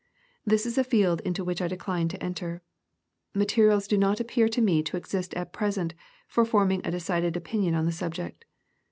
This is a field into which I de cline to enter. Materials do not appear to me to exist at present for forming a decided opinion on the subject.